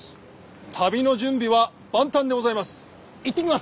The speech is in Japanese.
旅の準備は万端でございます。